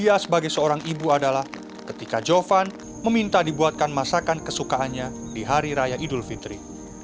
dia sebagai seorang ibu adalah ketika jovan meminta dibuatkan masakan kesukaannya di hari raya idul fitri